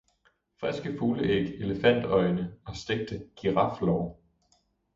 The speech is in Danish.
friske fugleæg, elefantøjne og stegte giraflår.